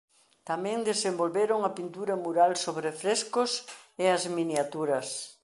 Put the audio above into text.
Tamén desenvolveron a pintura mural sobre frescos e as miniaturas.